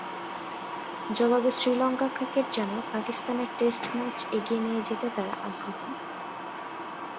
জবাবে শ্রীলঙ্কা ক্রিকেট জানায়, পাকিস্তানে টেস্ট ম্যাচ এগিয়ে নিয়ে যেতে তারা আগ্রহী।